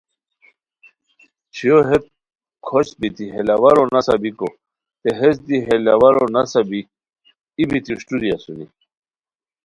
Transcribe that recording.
چھویو ہیت کھوشت بیتی ہے لاوارو نسہ بیکو تھے ہیس دی ہے لاوارو نسہ بی ای بیتی اوشٹوری اسونی